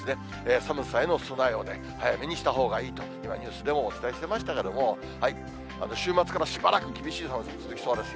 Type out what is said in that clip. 寒さへの備えを早めにしたほうがいいと、今ニュースでもお伝えしていましたけれども、週末からしばらく厳しい寒さ続きそうですよ。